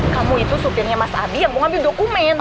kamu itu supirnya mas adi yang mau ngambil dokumen